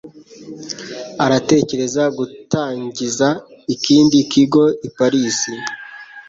Aratekereza gutangiza ikindi kigo i Paris.